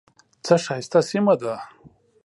څه ښایسته سیمه ده .